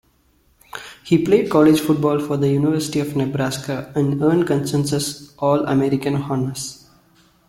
He played college football for the University of Nebraska, and earned consensus All-American honors.